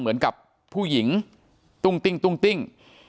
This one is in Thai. เหมือนกับผู้หญิงตุ้งติ้งตุ้งติ้ง